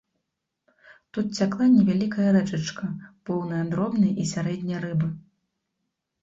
Тут цякла невялікая рэчачка, поўная дробнай і сярэдняй рыбы.